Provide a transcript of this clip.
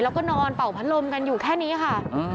แล้วก็นอนเป่าพัดลมกันอยู่แค่นี้ค่ะ